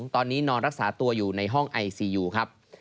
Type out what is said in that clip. ตอนนี้นอนรักษาตัวอยู่ในห้องไอซียูครับ